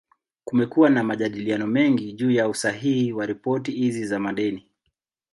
Kumekuwa na majadiliano mengi juu ya usahihi wa ripoti hizi za madeni.